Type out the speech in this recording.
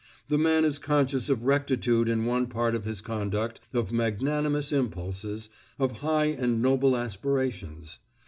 The man is conscious of rectitude in one part of his conduct, of magnanimous impulses, of high and noble aspirations.